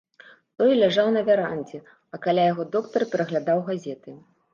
Той ляжаў на верандзе, а каля яго доктар пераглядаў газеты.